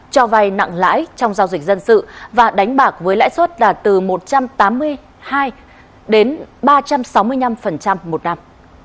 cho vay nặng lãi trong giao dịch dân sự và đánh bạc với lãi suất đạt từ một trăm tám mươi hai đến ba trăm sáu mươi năm một năm